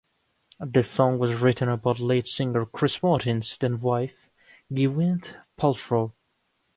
The song was written about lead singer Chris Martin's then wife, Gwyneth Paltrow.